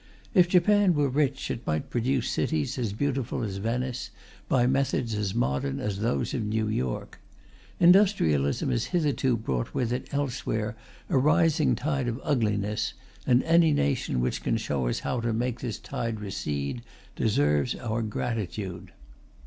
If Japan were rich it might produce cities as beautiful as Venice, by methods as modern as those of New York. Industrialism has hitherto brought with it elsewhere a rising tide of ugliness, and any nation which can show us how to make this tide recede deserves our gratitude.